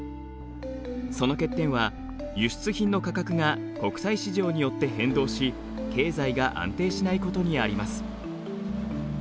その欠点は輸出品の価格が国際市場によって変動し経済が安定しないことにあります。